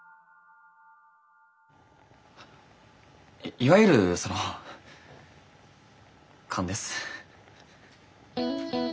いわゆるその勘です。